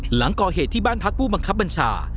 หลังก่อเหตุที่บ้านพักผู้บังคับบัญชา